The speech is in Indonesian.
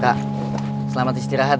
kak selamat istirahat